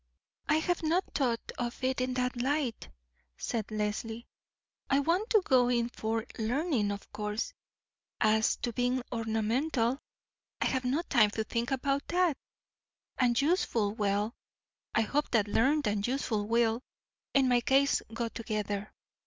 "I have not thought of it in that light," said Leslie. "I want to go in for learning, of course. As to being ornamental, I have no time to think about that; and useful—well, I hope that learned and useful will, in my case, go together.